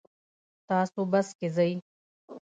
تاسو بس کې ځئ؟